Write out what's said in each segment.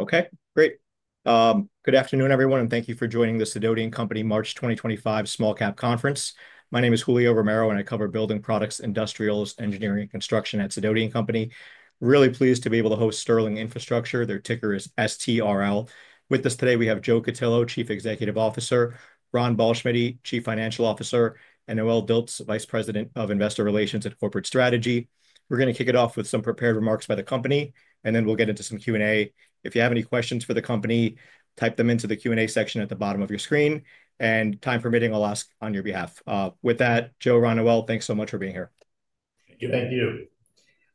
Okay, great. Good afternoon, everyone, and thank you for joining the Sidoti & Company March 2025 Small-Cap Conference. My name is Julio Romero, and I cover building products, industrials, engineering, and construction at Sidoti & Company. Really pleased to be able to host Sterling Infrastructure. Their ticker is STRL. With us today, we have Joe Cutillo, Chief Executive Officer; Ron Ballschmiede, Chief Financial Officer; and Noelle Dilts, Vice President of Investor Relations and Corporate Strategy. We're going to kick it off with some prepared remarks by the company, and then we'll get into some Q&A. If you have any questions for the company, type them into the Q&A section at the bottom of your screen, and time permitting, I'll ask on your behalf. With that, Joe, Ron, Noelle, thanks so much for being here. Thank you.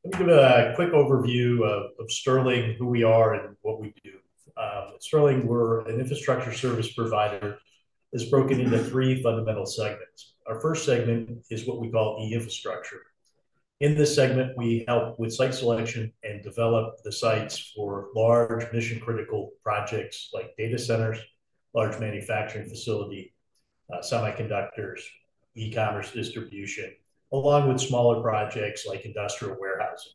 Let me give a quick overview of Sterling, who we are, and what we do. At Sterling, we're an infrastructure service provider that's broken into three fundamental segments. Our first segment is what we call the E-Infrastructure. In this segment, we help with site selection and develop the sites for large mission-critical projects like data centers, large manufacturing facilities, semiconductors, e-commerce distribution, along with smaller projects like industrial warehouses.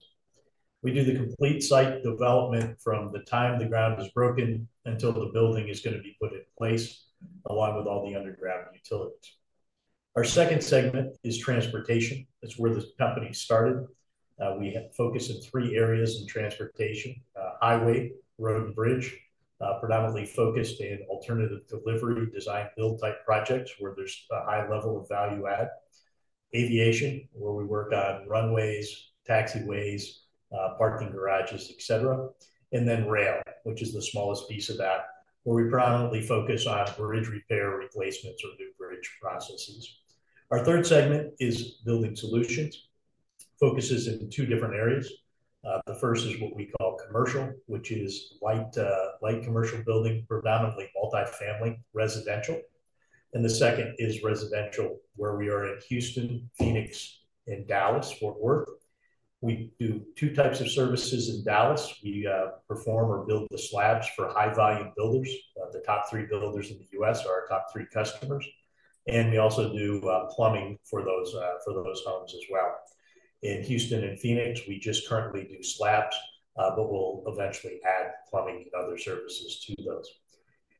We do the complete site development from the time the ground is broken until the building is going to be put in place, along with all the underground utilities. Our second segment is Transportation. That's where the company started. We focus in three areas in Transportation: highway, road, and bridge, predominantly focused in alternative delivery design-build type projects where there's a high level of value-add. Aviation, where we work on runways, taxiways, parking garages, etc. Rail, which is the smallest piece of that, where we predominantly focus on bridge repair, replacements, or new bridge processes. Our third segment is Building Solutions. It focuses in two different areas. The first is what we call commercial, which is light commercial building, predominantly multifamily residential. The second is residential, where we are in Houston, Phoenix, and Dallas-Fort Worth. We do two types of services in Dallas. We perform or build the slabs for high-volume builders. The top three builders in the U.S. are our top three customers. We also do plumbing for those homes as well. In Houston and Phoenix, we just currently do slabs, but we'll eventually add plumbing and other services to those.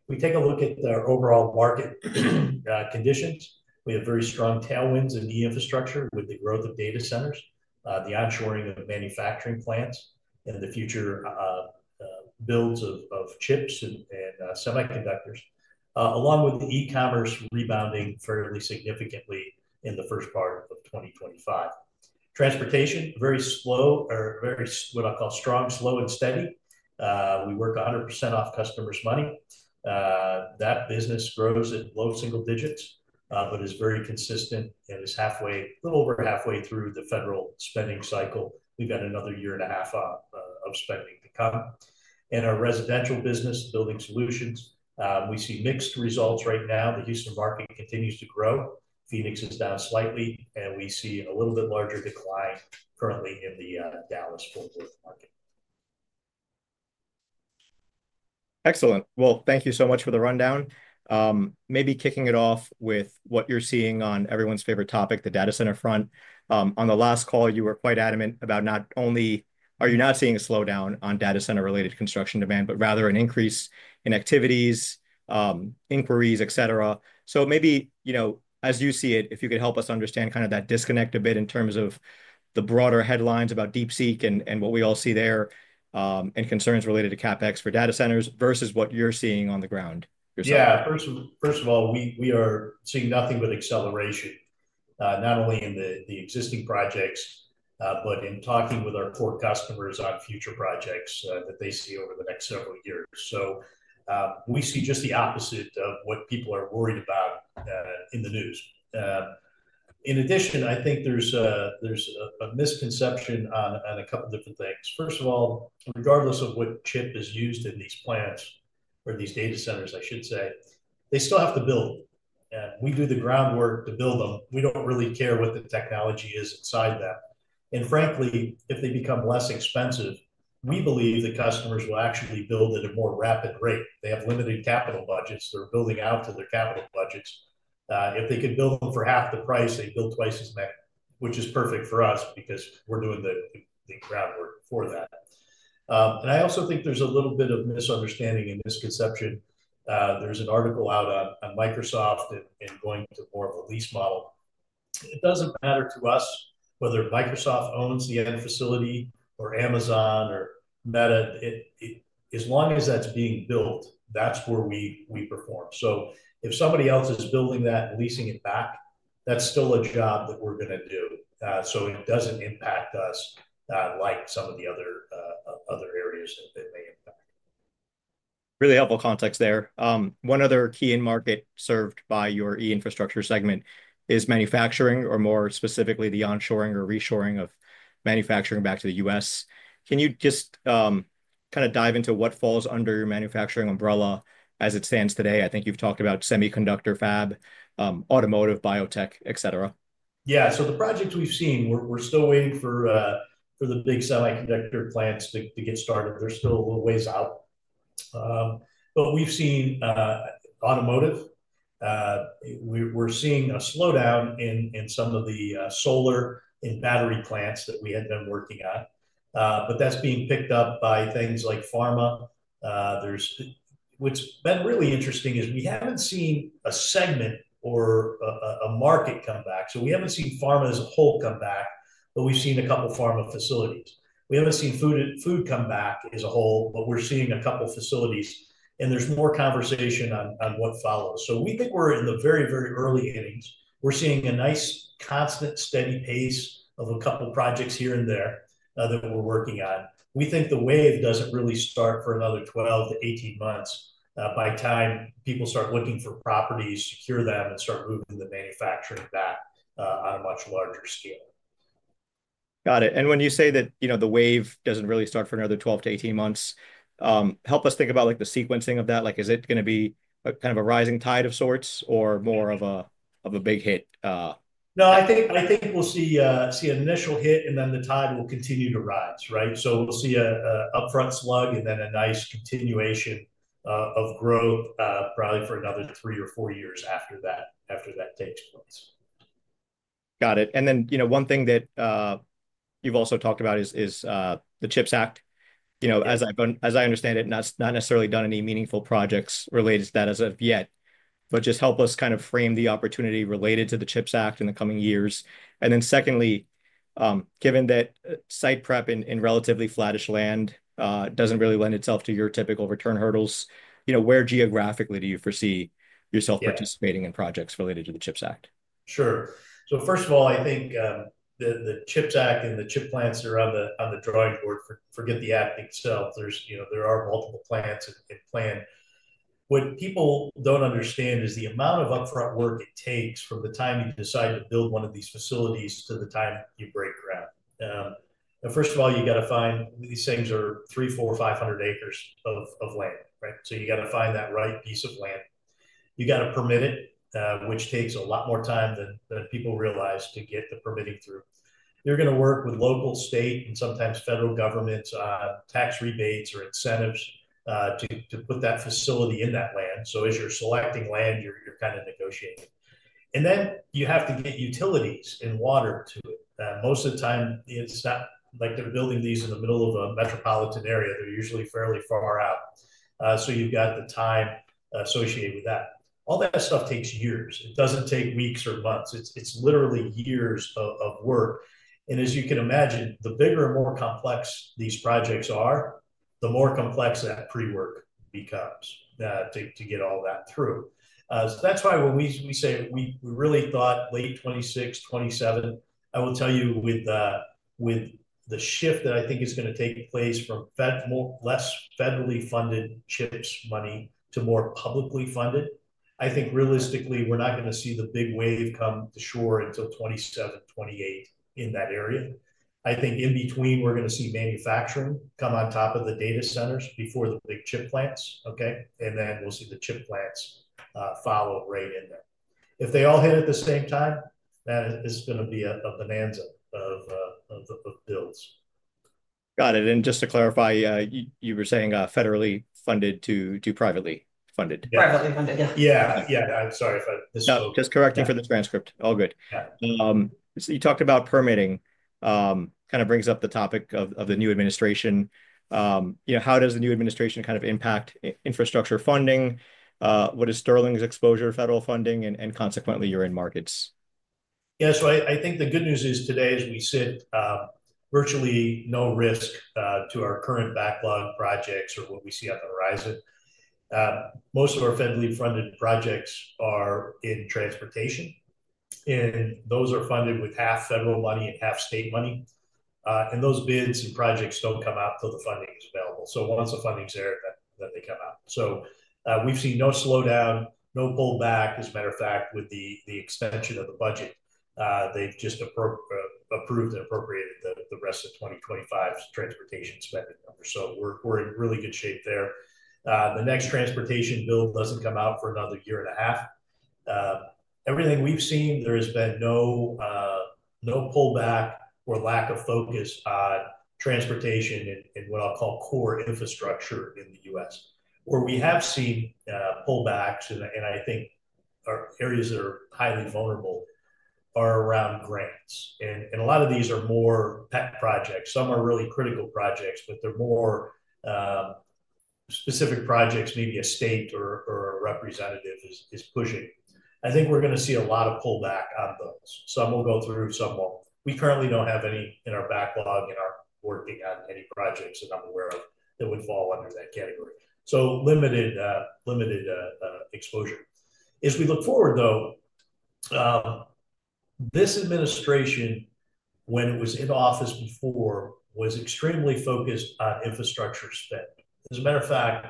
We take a look at our overall market conditions. We have very strong tailwinds in the infrastructure with the growth of data centers, the onshoring of manufacturing plants, and the future builds of chips and semiconductors, along with the e-commerce rebounding fairly significantly in the first part of 2025. Transportation, very slow, or very what I'll call strong, slow, and steady. We work 100% off customers' money. That business grows at low single digits, but is very consistent and is halfway, a little over halfway through the federal spending cycle. We've got another year and a half of spending to come. In our residential business, Building Solutions, we see mixed results right now. The Houston market continues to grow. Phoenix is down slightly, and we see a little bit larger decline currently in the Dallas-Fort Worth market. Excellent. Thank you so much for the rundown. Maybe kicking it off with what you're seeing on everyone's favorite topic, the data center front. On the last call, you were quite adamant about not only are you not seeing a slowdown on data center-related construction demand, but rather an increase in activities, inquiries, etc. Maybe, you know, as you see it, if you could help us understand kind of that disconnect a bit in terms of the broader headlines about DeepSeek and what we all see there and concerns related to CapEx for data centers versus what you're seeing on the ground yourself. Yeah. First of all, we are seeing nothing but acceleration, not only in the existing projects, but in talking with our core customers on future projects that they see over the next several years. We see just the opposite of what people are worried about in the news. In addition, I think there's a misconception on a couple of different things. First of all, regardless of what chip is used in these plants or these data centers, I should say, they still have to build. We do the groundwork to build them. We don't really care what the technology is inside them. And frankly, if they become less expensive, we believe the customers will actually build at a more rapid rate. They have limited capital budgets. They're building out to their capital budgets. If they could build them for half the price, they'd build twice as many, which is perfect for us because we're doing the groundwork for that. I also think there's a little bit of misunderstanding and misconception. There's an article out on Microsoft and going to more of a lease model. It doesn't matter to us whether Microsoft owns the end facility or Amazon or Meta. As long as that's being built, that's where we perform. If somebody else is building that and leasing it back, that's still a job that we're going to do. It doesn't impact us like some of the other areas that may impact. Really helpful context there. One other key in market served by your E-Infrastructure segment is manufacturing, or more specifically, the onshoring or reshoring of manufacturing back to the U.S. Can you just kind of dive into what falls under your manufacturing umbrella as it stands today? I think you've talked about semiconductor fab, automotive, biotech, etc. Yeah. The projects we've seen, we're still waiting for the big semiconductor plants to get started. They're still a little ways out. We've seen automotive. We're seeing a slowdown in some of the solar and battery plants that we had been working at. That's being picked up by things like pharma. What's been really interesting is we haven't seen a segment or a market come back. We haven't seen pharma as a whole come back, but we've seen a couple of pharma facilities. We haven't seen food come back as a whole, but we're seeing a couple of facilities, and there's more conversation on what follows. We think we're in the very, very early innings. We're seeing a nice, constant, steady pace of a couple of projects here and there that we're working on. We think the wave doesn't really start for another 12 to 18 months by the time people start looking for properties to secure them and start moving the manufacturing back on a much larger scale. Got it. When you say that the wave doesn't really start for another 12 to 18 months, help us think about the sequencing of that. Is it going to be kind of a rising tide of sorts or more of a big hit? No, I think we'll see an initial hit, and then the tide will continue to rise, right? We'll see an upfront slug and then a nice continuation of growth probably for another three or four years after that takes place. Got it. One thing that you've also talked about is the CHIPS Act. As I understand it, not necessarily done any meaningful projects related to that as of yet, but just help us kind of frame the opportunity related to the CHIPS Act in the coming years. Secondly, given that site prep in relatively flattish land doesn't really lend itself to your typical return hurdles, where geographically do you foresee yourself participating in projects related to the CHIPS Act? Sure. First of all, I think the CHIPS Act and the chip plants are on the drawing board. Forget the act itself. There are multiple plants in plan. What people don't understand is the amount of upfront work it takes from the time you decide to build one of these facilities to the time you break ground. First of all, you got to find these things are three, four, five hundred acres of land, right? You got to find that right piece of land. You got to permit it, which takes a lot more time than people realize to get the permitting through. You're going to work with local, state, and sometimes federal governments on tax rebates or incentives to put that facility in that land. As you're selecting land, you're kind of negotiating. Then you have to get utilities and water to it. Most of the time, it's not like they're building these in the middle of a metropolitan area. They're usually fairly far out. You have the time associated with that. All that stuff takes years. It doesn't take weeks or months. It's literally years of work. As you can imagine, the bigger and more complex these projects are, the more complex that pre-work becomes to get all that through. That's why when we say we really thought late 2026, 2027, I will tell you with the shift that I think is going to take place from less federally funded CHIPS money to more publicly funded, I think realistically, we're not going to see the big wave come to shore until 2027, 2028 in that area. I think in between, we're going to see manufacturing come on top of the data centers before the big chip plants, okay? We'll see the chip plants follow right in there. If they all hit at the same time, that is going to be a bonanza of builds. Got it. Just to clarify, you were saying federally funded to privately funded. Privately funded, yeah. Yeah. Yeah. I'm sorry if I misspoke. No, just correcting for the transcript. All good. You talked about permitting. Kind of brings up the topic of the new administration. How does the new administration kind of impact infrastructure funding? What is Sterling's exposure to federal funding and consequently your end markets? Yeah. I think the good news is today, as we sit, virtually no risk to our current backlog projects or what we see on the horizon. Most of our federally funded projects are in Transportation, and those are funded with half federal money and half state money. Those bids and projects do not come out until the funding is available. Once the funding is there, they come out. We have seen no slowdown, no pullback. As a matter of fact, with the extension of the budget, they have just approved and appropriated the rest of 2025's Transportation spending numbers. We are in really good shape there. The next Transportation bill does not come out for another year and a half. Everything we have seen, there has been no pullback or lack of focus on Transportation and what I will call core infrastructure in the U.S. Where we have seen pullbacks, and I think areas that are highly vulnerable, are around grants. A lot of these are more pet projects. Some are really critical projects, but they're more specific projects maybe a state or a representative is pushing. I think we're going to see a lot of pullback on those. Some will go through, some won't. We currently don't have any in our backlog and are not working on any projects that I'm aware of that would fall under that category. Limited exposure. As we look forward, though, this administration, when it was in office before, was extremely focused on infrastructure spend. As a matter of fact,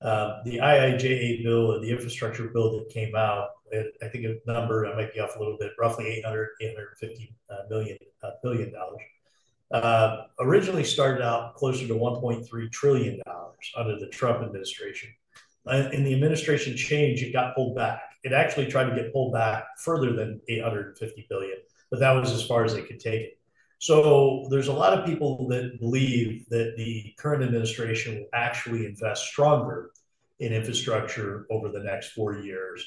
the IIJA bill and the infrastructure bill that came out, I think a number, I might be off a little bit, roughly $800 billion-$850 billion, originally started out closer to $1.3 trillion under the Trump administration. The administration changed, it got pulled back. It actually tried to get pulled back further than $850 billion, but that was as far as they could take it. There are a lot of people that believe that the current administration will actually invest stronger in infrastructure over the next four years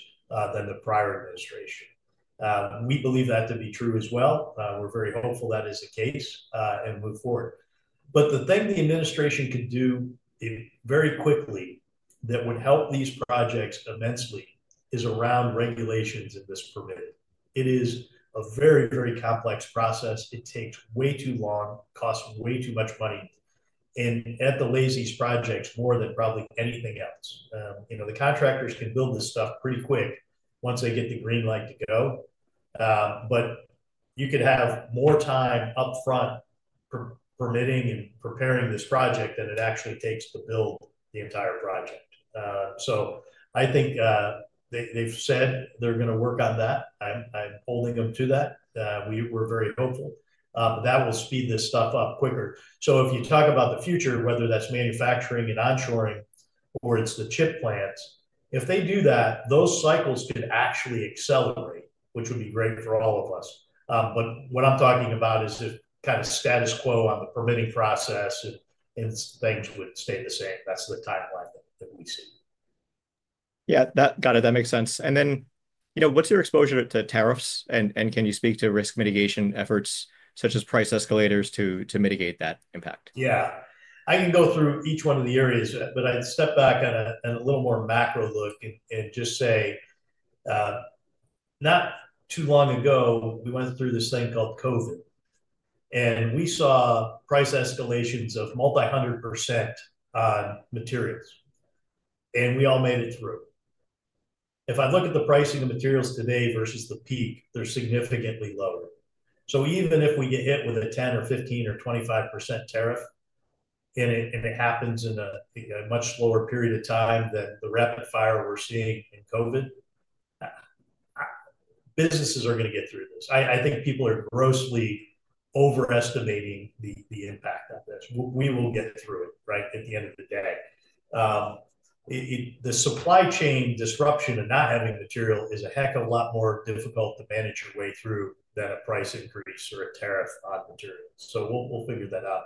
than the prior administration. We believe that to be true as well. We are very hopeful that is the case and move forward. The thing the administration could do very quickly that would help these projects immensely is around regulations if this permitted. It is a very, very complex process. It takes way too long, costs way too much money, and delays these projects, more than probably anything else. The contractors can build this stuff pretty quick once they get the green light to go. You could have more time upfront permitting and preparing this project than it actually takes to build the entire project. I think they've said they're going to work on that. I'm holding them to that. We're very hopeful. That will speed this stuff up quicker. If you talk about the future, whether that's manufacturing and onshoring or it's the chip plants, if they do that, those cycles could actually accelerate, which would be great for all of us. What I'm talking about is kind of status quo on the permitting process and things would stay the same. That's the timeline that we see. Yeah. Got it. That makes sense. What is your exposure to tariffs? Can you speak to risk mitigation efforts such as price escalators to mitigate that impact? Yeah. I can go through each one of the areas, but I'd step back on a little more macro look and just say, not too long ago, we went through this thing called COVID. And we saw price escalations of multi-hundred percent on materials. And we all made it through. If I look at the pricing of materials today versus the peak, they're significantly lower. So even if we get hit with a 10% or 15% or 25% tariff, and it happens in a much slower period of time than the rapid fire we're seeing in COVID, businesses are going to get through this. I think people are grossly overestimating the impact of this. We will get through it, right, at the end of the day. The supply chain disruption and not having material is a heck of a lot more difficult to manage your way through than a price increase or a tariff on materials. We'll figure that out.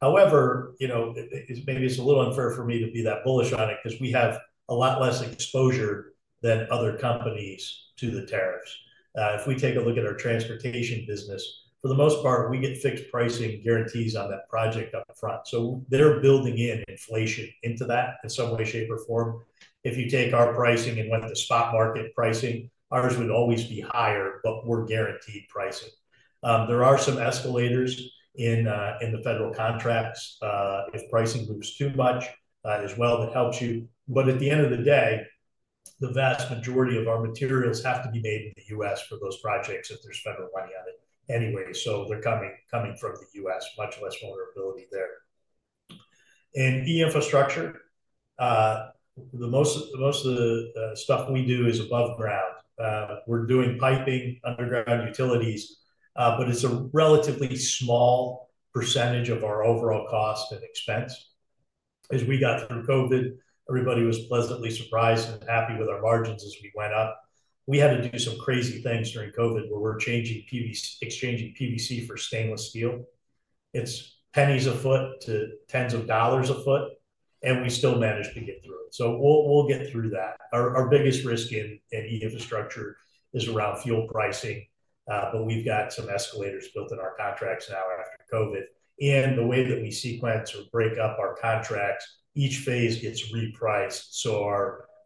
However, maybe it's a little unfair for me to be that bullish on it because we have a lot less exposure than other companies to the tariffs. If we take a look at our Transportation business, for the most part, we get fixed pricing guarantees on that project upfront. They're building in inflation into that in some way, shape, or form. If you take our pricing and went to spot market pricing, ours would always be higher, but we're guaranteed pricing. There are some escalators in the federal contracts if pricing moves too much as well that helps you. At the end of the day, the vast majority of our materials have to be made in the U.S. for those projects if there's federal money on it anyway. They're coming from the U.S., much less vulnerability there. In E-Infrastructure, most of the stuff we do is above ground. We're doing piping, underground utilities, but it's a relatively small percentage of our overall cost and expense. As we got through COVID, everybody was pleasantly surprised and happy with our margins as we went up. We had to do some crazy things during COVID where we're exchanging PVC for stainless steel. It's pennies a foot to tens of dollars a foot, and we still managed to get through it. We'll get through that. Our biggest risk in E-Infrastructure is around fuel pricing, but we've got some escalators built in our contracts now after COVID. The way that we sequence or break up our contracts, each phase gets repriced.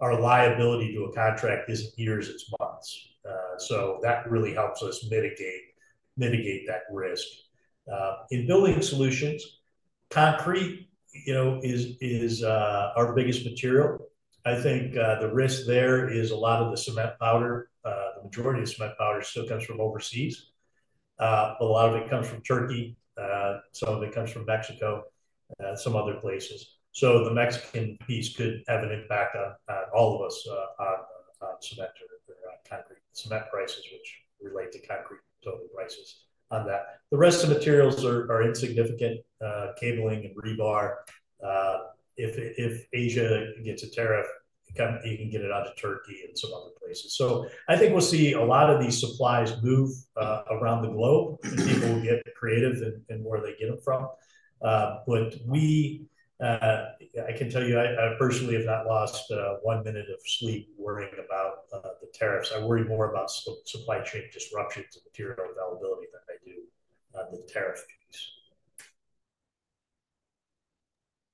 Our liability to a contract is not years, it is months. That really helps us mitigate that risk. In Building Solutions, concrete is our biggest material. I think the risk there is a lot of the cement powder. The majority of cement powder still comes from overseas. A lot of it comes from Turkey. Some of it comes from Mexico, some other places. The Mexican piece could have an impact on all of us on cement or concrete cement prices, which relate to concrete total prices on that. The rest of the materials are insignificant: cabling and rebar. If Asia gets a tariff, you can get it onto Turkey and some other places. I think we'll see a lot of these supplies move around the globe and people get creative in where they get them from. I can tell you, I personally have not lost one minute of sleep worrying about the tariffs. I worry more about supply chain disruptions and material availability than I do the tariff piece.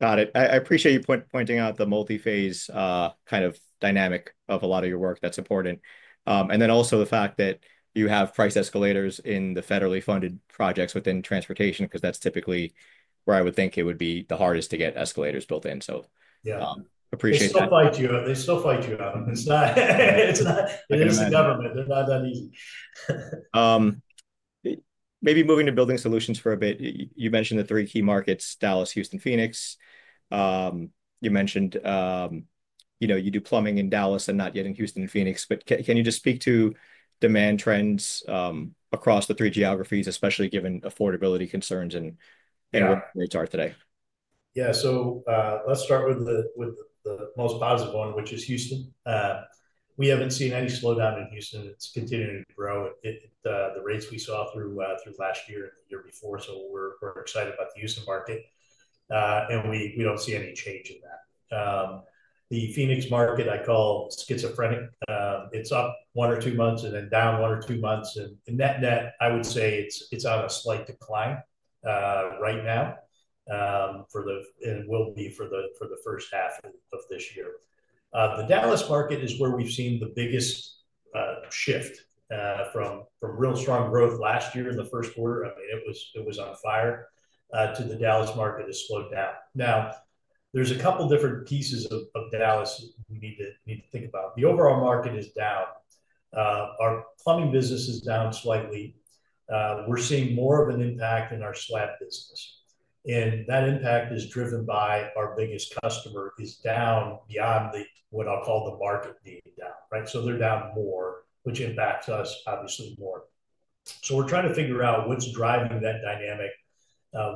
Got it. I appreciate you pointing out the multi-phase kind of dynamic of a lot of your work. That's important. I also appreciate the fact that you have price escalators in the federally funded projects within Transportation because that's typically where I would think it would be the hardest to get escalators built in. So appreciate that. They still fight you. They still fight you, Adam. It's not the government. They're not that easy. Maybe moving to Building Solutions for a bit. You mentioned the three key markets: Dallas, Houston, Phoenix. You mentioned you do plumbing in Dallas and not yet in Houston and Phoenix. Can you just speak to demand trends across the three geographies, especially given affordability concerns and where rates are today? Yeah. Let's start with the most positive one, which is Houston. We haven't seen any slowdown in Houston. It's continuing to grow. The rates we saw through last year and the year before. We're excited about the Houston market. We don't see any change in that. The Phoenix market, I call schizophrenic. It's up one or two months and then down one or two months. Net net, I would say it's on a slight decline right now and will be for the first half of this year. The Dallas market is where we've seen the biggest shift from real strong growth last year in the first quarter. I mean, it was on fire to the Dallas market has slowed down. Now, there's a couple of different pieces of Dallas we need to think about. The overall market is down. Our plumbing business is down slightly. We're seeing more of an impact in our slab business. That impact is driven by our biggest customer is down beyond what I'll call the market being down, right? They're down more, which impacts us obviously more. We're trying to figure out what's driving that dynamic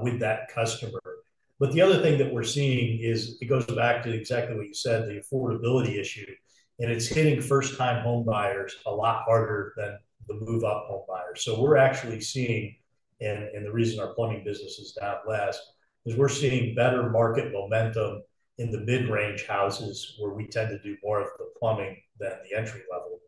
with that customer. The other thing that we're seeing is it goes back to exactly what you said, the affordability issue. It's hitting first-time home buyers a lot harder than the move-up home buyers. We're actually seeing, and the reason our plumbing business is down less, is we're seeing better market momentum in the mid-range houses where we tend to do more of the plumbing than the entry-level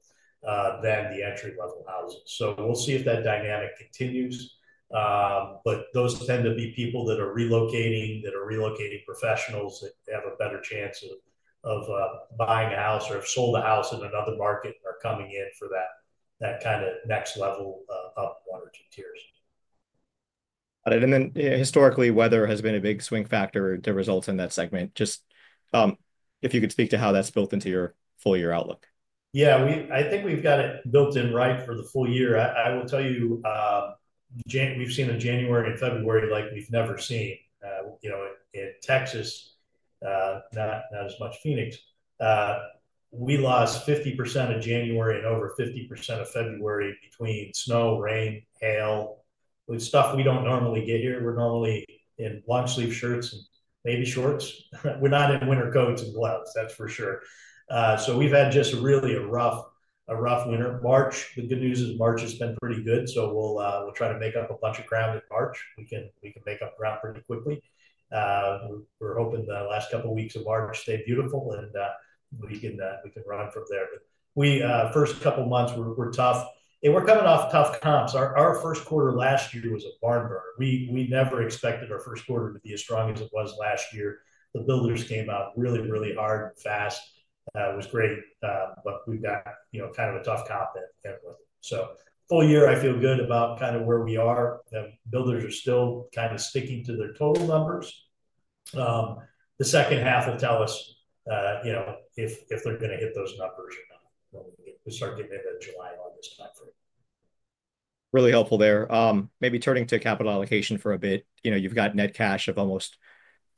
houses. We'll see if that dynamic continues. Those tend to be people that are relocating, that are relocating professionals that have a better chance of buying a house or have sold a house in another market and are coming in for that kind of next level up one or two tiers. Got it. Historically, weather has been a big swing factor to results in that segment. Just if you could speak to how that's built into your full-year outlook. Yeah. I think we've got it built in right for the full-year. I will tell you, we've seen in January and February like we've never seen in Texas, not as much Phoenix. We lost 50% of January and over 50% of February between snow, rain, hail. With stuff we don't normally get here, we're normally in long-sleeve shirts and maybe shorts. We're not in winter coats and gloves, that's for sure. We have had just really a rough winter. March, the good news is March has been pretty good. We will try to make up a bunch of ground in March. We can make up ground pretty quickly. We're hoping the last couple of weeks of March stay beautiful and we can run from there. The first couple of months were tough. We're coming off tough comps. Our first quarter last year was a barn burner. We never expected our first quarter to be as strong as it was last year. The builders came out really, really hard and fast. It was great. We have kind of a tough comp at the end of it. For the full-year, I feel good about kind of where we are. The builders are still kind of sticking to their total numbers. The second half will tell us if they're going to hit those numbers or not when we start getting into the July and August timeframe. Really helpful there. Maybe turning to capital allocation for a bit. You've got net cash of almost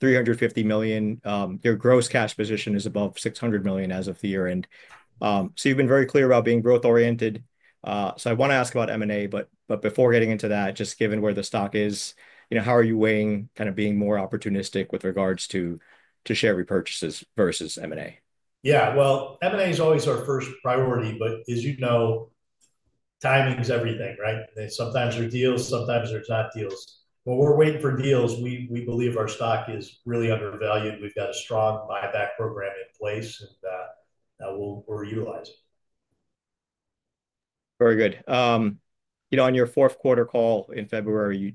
$350 million. Your gross cash position is above $600 million as of the year. You've been very clear about being growth-oriented. I want to ask about M&A, but before getting into that, just given where the stock is, how are you weighing kind of being more opportunistic with regards to share repurchases versus M&A? Yeah. M&A is always our first priority, but as you know, timing is everything, right? Sometimes there are deals, sometimes there are not deals. When we're waiting for deals, we believe our stock is really undervalued. We've got a strong buyback program in place and we're utilizing it. Very good. On your fourth quarter call in February,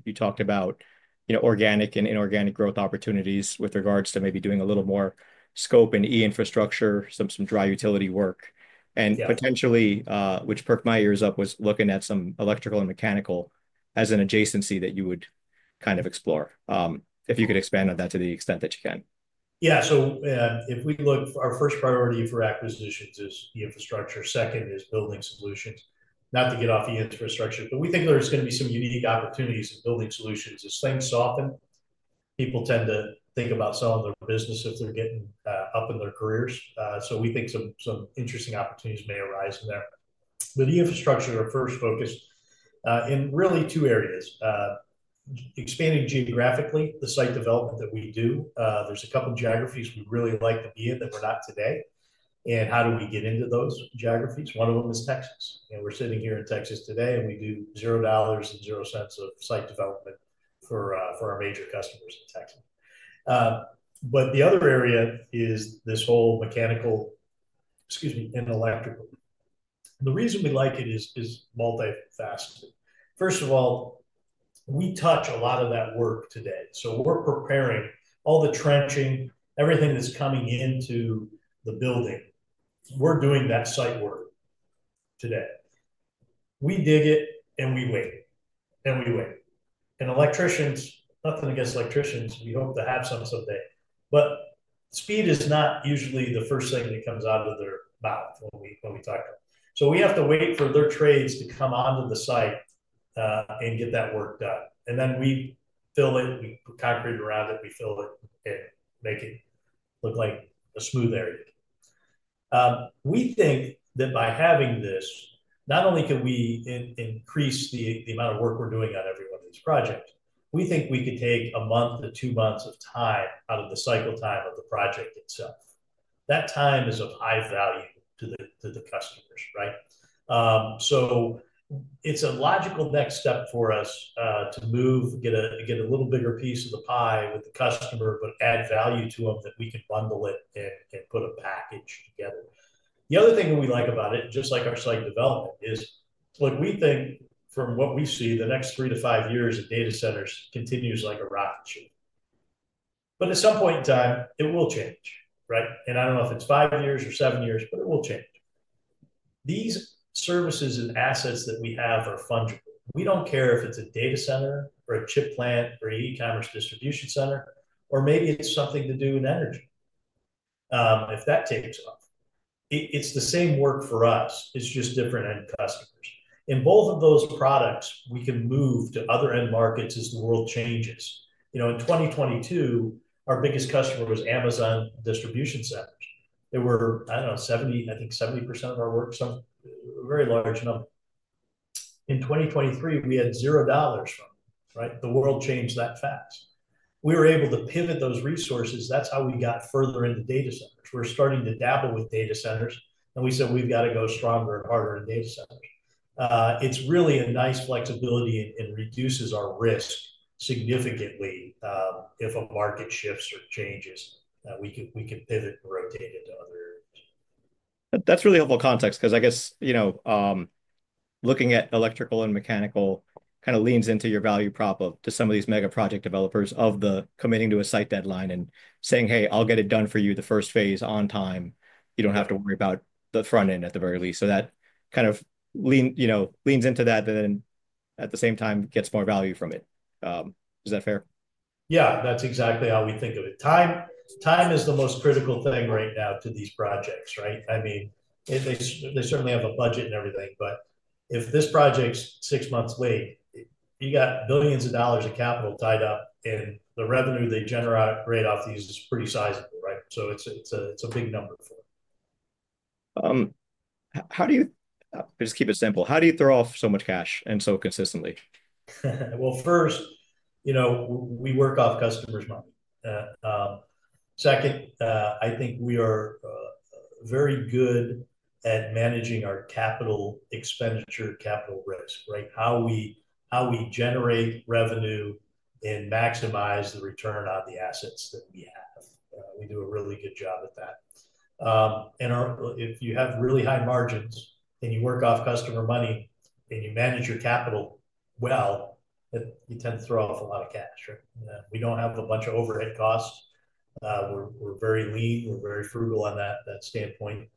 you talked about organic and inorganic growth opportunities with regards to maybe doing a little more scope in E-Infrastructure, some dry utility work, and potentially, which perked my ears up, was looking at some electrical and mechanical as an adjacency that you would kind of explore. If you could expand on that to the extent that you can. Yeah. If we look, our first priority for acquisitions is E-Infrastructure. Second is Building Solutions. Not to get off E-Infrastructure, but we think there's going to be some unique opportunities in Building Solutions. As things soften, people tend to think about selling their business if they're getting up in their careers. We think some interesting opportunities may arise in there. E-Infrastructure is our first focus in really two areas. Expanding geographically, the site development that we do, there are a couple of geographies we'd really like to be in that we're not today. How do we get into those geographies? One of them is Texas. We're sitting here in Texas today and we do $0.00 of site development for our major customers in Texas. The other area is this whole mechanical, excuse me, and electrical. The reason we like it is multifaceted. First of all, we touch a lot of that work today. We are preparing all the trenching, everything that is coming into the building. We are doing that site work today. We dig it and we wait. We wait. Electricians, nothing against electricians. We hope to have some someday. Speed is not usually the first thing that comes out of their mouth when we talk to them. We have to wait for their trades to come onto the site and get that work done. We fill it, we put concrete around it, we fill it and make it look like a smooth area. We think that by having this, not only could we increase the amount of work we're doing on every one of these projects, we think we could take a month to two months of time out of the cycle time of the project itself. That time is of high value to the customers, right? It is a logical next step for us to move, get a little bigger piece of the pie with the customer, but add value to them that we can bundle it and put a package together. The other thing that we like about it, just like our site development, is what we think from what we see the next three to five years of data centers continues like a rocket ship. At some point in time, it will change, right? I do not know if it is five years or seven years, but it will change. These services and assets that we have are fungible. We don't care if it's a data center or a chip plant or an e-commerce distribution center, or maybe it's something to do with energy if that takes off. It's the same work for us. It's just different end customers. In both of those products, we can move to other end markets as the world changes. In 2022, our biggest customer was Amazon distribution centers. They were, I don't know, I think 70% of our work, a very large number. In 2023, we had $0 from them, right? The world changed that fast. We were able to pivot those resources. That's how we got further into data centers. We're starting to dabble with data centers. We said, "We've got to go stronger and harder in data centers." It's really a nice flexibility and reduces our risk significantly if a market shifts or changes, we can pivot and rotate into other areas. That's really helpful context because I guess looking at electrical and mechanical kind of leans into your value prop of some of these mega project developers of the committing to a site deadline and saying, "Hey, I'll get it done for you the first phase on time. You don't have to worry about the front end at the very least." That kind of leans into that and then at the same time gets more value from it. Is that fair? Yeah. That's exactly how we think of it. Time is the most critical thing right now to these projects, right? I mean, they certainly have a budget and everything, but if this project's six months late, you got billions of dollars of capital tied up and the revenue they generate off these is pretty sizable, right? It is a big number for them. Just keep it simple. How do you throw off so much cash and so consistently? First, we work off customers' money. Second, I think we are very good at managing our capital expenditure, capital risk, right? How we generate revenue and maximize the return on the assets that we have. We do a really good job at that. If you have really high margins and you work off customer money and you manage your capital well, you tend to throw off a lot of cash, right? We do not have a bunch of overhead costs. We are very lean. We are very frugal on that standpoint.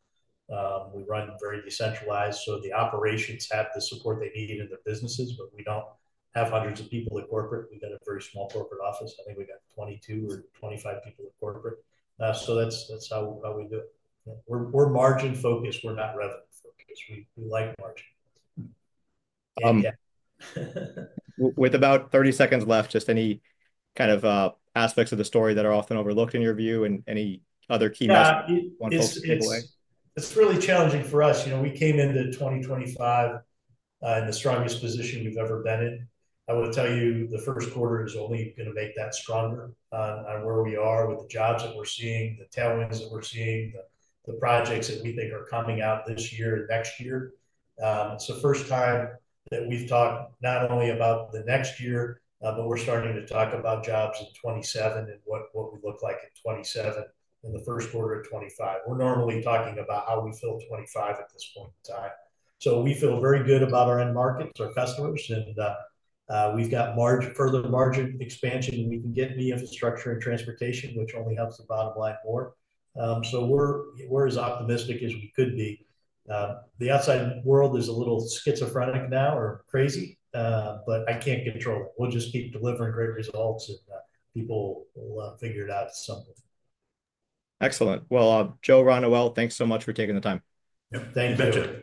We run very decentralized. The operations have the support they need in their businesses, but we do not have hundreds of people at corporate. We have a very small corporate office. I think we have 22 or 25 people at corporate. That is how we do it. We are margin-focused. We are not revenue-focused. We like margin. With about 30 seconds left, just any kind of aspects of the story that are often overlooked in your view and any other key messages you want to pull people away? It's really challenging for us. We came into 2025 in the strongest position we've ever been in. I will tell you the first quarter is only going to make that stronger on where we are with the jobs that we're seeing, the tailwinds that we're seeing, the projects that we think are coming out this year and next year. It's the first time that we've talked not only about the next year, but we're starting to talk about jobs in 2027 and what we look like in 2027 in the first quarter of 2025. We're normally talking about how we feel 2025 at this point in time. We feel very good about our end markets, our customers, and we've got further margin expansion. We can get the infrastructure and Transportation, which only helps the bottom line more. We are as optimistic as we could be. The outside world is a little schizophrenic now or crazy, but I can't control it. We'll just keep delivering great results and people will figure it out someday. Excellent. Joe, Ron, thanks so much for taking the time. Thank you.